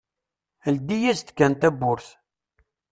Ldi-yas-d kan tawwurt.